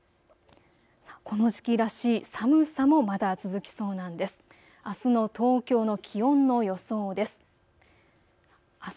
この時期らしい寒さもまだ続きそうなんです。